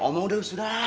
omong dah sudah